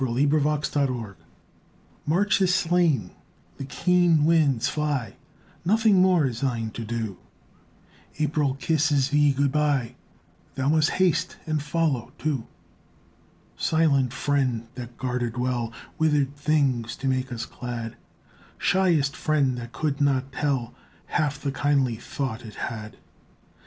GOD SPEED TO THE SNOW March is slain; the keen winds fly; Nothing more is thine to do; April kisses thee good bye; Thou must haste and follow too; Silent friend that guarded well Withered things to make us glad, Shyest friend that could not tell Half the kindly thought he had.